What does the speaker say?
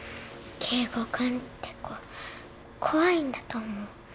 圭吾君って子怖いんだと思う